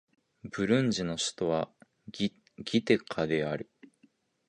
ブルンジの首都はギテガである